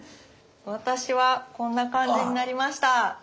私はこんな感じになりました。